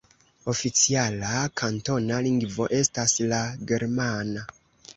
Oficiala kantona lingvo estas la germana.